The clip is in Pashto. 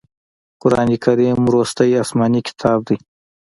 قرآن کریم وروستی اسمانې کتاب دی.